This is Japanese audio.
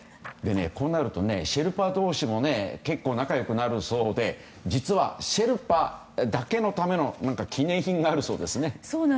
こうなるとシェルパ同士も結構、仲良くなるそうで実はシェルパだけのための記念品があるそうですね。